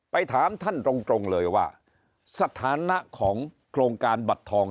ถามท่านตรงเลยว่าสถานะของโครงการบัตรทอง